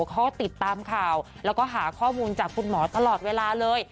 เขาติดตามข่าวแล้วก็หาข้อมูลจากคุณหมอตลอดเวลาเลย